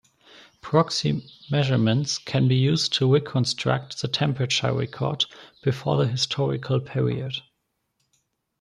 Proxy measurements can be used to reconstruct the temperature record before the historical period.